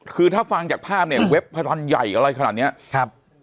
คือถ้าฟังจากภาพเนี่ยเว็บพนันใหญ่อะไรขนาดเนี้ยครับ